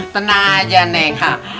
tenang aja neng